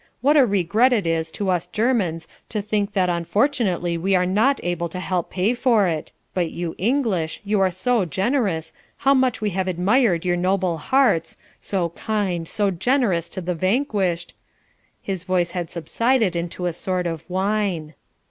"What a regret it is to us Germans to think that unfortunately we are not able to help pay for it; but you English you are so generous how much we have admired your noble hearts so kind, so generous to the vanquished..." His voice had subsided into a sort of whine.